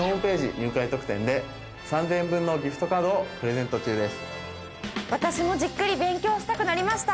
入会特典で３０００円分のギフトカードをプレゼント中です。